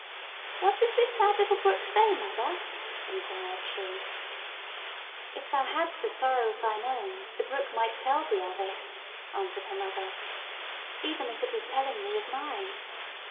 "What does this sad little brook say, mother?" inquired she. "If thou hadst a sorrow of thine own, the brook might tell thee of it," answered her mother, "even as it is telling me of mine.